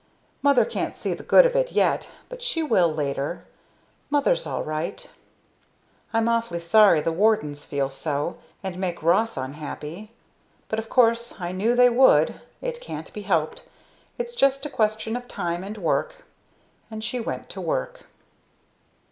"Mother can't see the good of it yet, but she will later Mother's all right. "I'm awfully sorry the Wardens feel so and make Ross unhappy but of course I knew they would. It can't be helped. It's just a question of time and work." And she went to work.